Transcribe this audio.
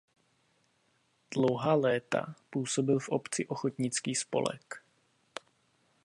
Dlouhá léta působil v obci ochotnický spolek.